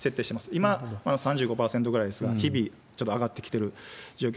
今、３５％ぐらいですが、日々ちょっと上がってきてる状況。